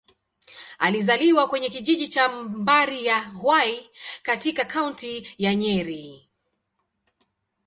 Alizaliwa kwenye kijiji cha Mbari-ya-Hwai, katika Kaunti ya Nyeri.